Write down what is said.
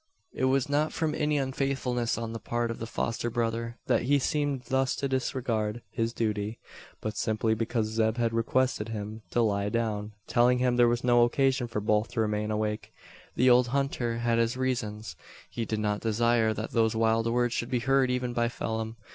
It was not from any unfaithfulness on the part of the foster brother, that he seemed thus to disregard his duty; but simply because Zeb had requested him to lie down telling him there was no occasion for both to remain awake. The old hunter had his reasons. He did not desire that those wild words should be heard even by Phelim.